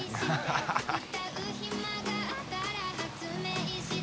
ハハハ